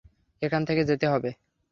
এখান থেকে যেতে হবে।